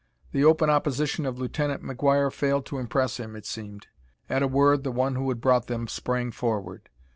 The open opposition of Lieutenant McGuire failed to impress him, it seemed. At a word the one who had brought them sprang forward.